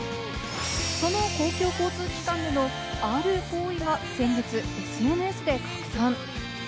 その公共交通機関でのある行為が先日ＳＮＳで拡散。